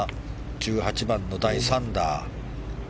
１８番の第３打。